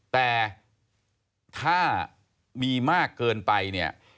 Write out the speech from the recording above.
แต่ถ้ามีมากเกินไปเนี่ย